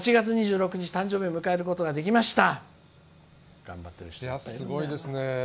８月２６日誕生日を迎えることができました」。